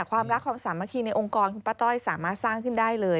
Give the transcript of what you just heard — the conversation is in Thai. ความรักความสามัคคีในองค์กรคุณป้าต้อยสามารถสร้างขึ้นได้เลย